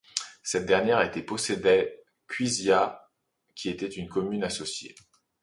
Cette dernière était possédait Cuisiat qui était une commune associée.